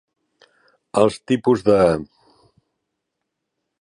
Els tipus de.